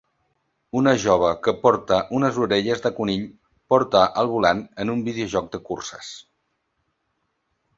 Una jove que porta unes orelles de conill porta al volant en un videojoc de curses.